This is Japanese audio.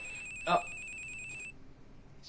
あっ。